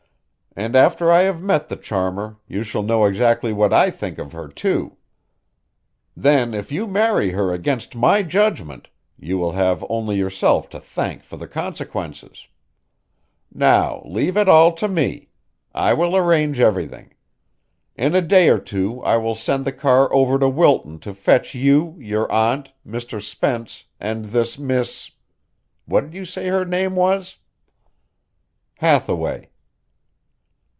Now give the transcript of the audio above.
And after I have met the charmer you shall know exactly what I think of her, too. Then if you marry her against my judgment, you will have only yourself to thank for the consequences. Now leave it all to me. I will arrange everything. In a day or two I will send the car over to Wilton to fetch you, your aunt, Mr. Spence and this Miss what did you say her name was?" "Hathaway."